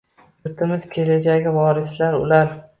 Yurtimiz kelajagi vorislari ular